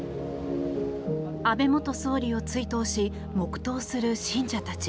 安倍元総理を追悼し黙祷する信者たち。